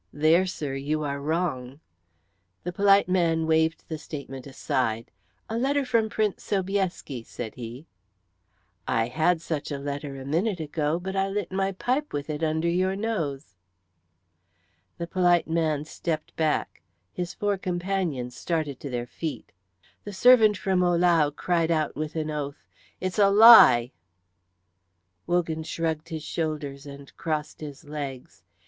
"There, sir, you are wrong." The polite man waved the statement aside. "A letter from Prince Sobieski," said he. "I had such a letter a minute ago, but I lit my pipe with it under your nose." The polite man stepped back; his four companions started to their feet. The servant from Ohlau cried out with an oath, "It's a lie." Wogan shrugged his shoulders and crossed his legs.